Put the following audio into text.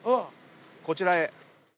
こちらへ。